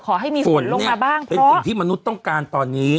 ขอให้มีฝนลงมาบ้างเพราะฝนเนี่ยเป็นสิ่งที่มนุษย์ต้องการตอนนี้